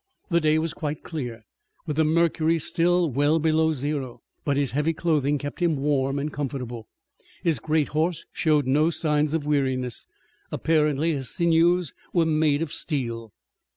The day was quite clear, with the mercury still well below zero, but his heavy clothing kept him warm and comfortable. His great horse showed no signs of weariness. Apparently his sinews were made of steel.